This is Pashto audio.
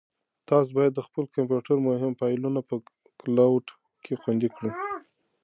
تاسو باید د خپل کمپیوټر مهم فایلونه په کلاوډ کې خوندي کړئ.